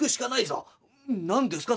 「何ですか？